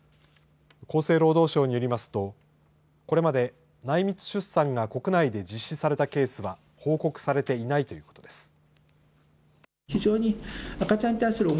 厚生労働省によりますとこれまで内密出産が国内で実施されたケースは報告されていないということです。